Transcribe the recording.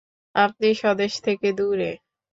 আপনি স্বদেশ থেকে দূরে।